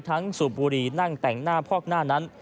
สูบบุรีนั่งแต่งหน้าพอกหน้านั้น